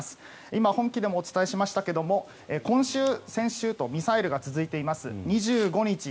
今、本記でもお伝えしましたが今週、先週とミサイルが続いています。